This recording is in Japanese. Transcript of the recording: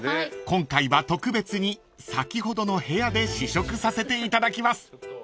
［今回は特別に先ほどの部屋で試食させていただきます］